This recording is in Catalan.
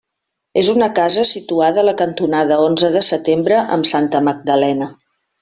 És una casa situada a la cantonada Onze de Setembre amb Santa Magdalena.